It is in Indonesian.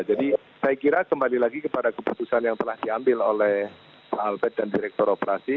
jadi saya kira kembali lagi kepada keputusan yang telah diambil oleh pak albert dan direktur operasi